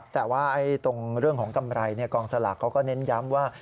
แต่ว่าตรงเรื่องของกำไรกองสลากเขาก็เน้นย้ำว่า